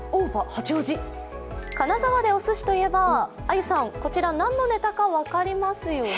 金沢でおすしといえば、こちら何のネタか分かりますよね